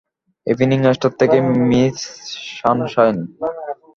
Evening star থেকে Miss Sunshine.